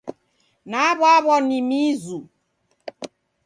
Naw'aw'a ni mizu.